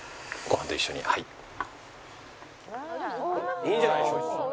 いいんじゃないでしょうか？